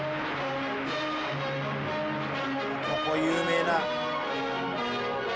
ここ有名な。